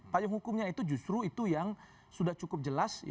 payung hukumnya itu justru itu yang sudah cukup jelas